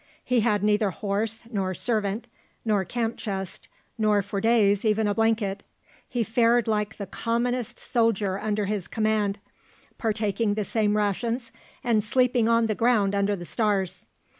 He had neither horse, nor servant, nor camp chest, nor for days even a blanket. He fared like the commonest soldier under his command, partaking the same rations, and sleeping on the ground under the stars.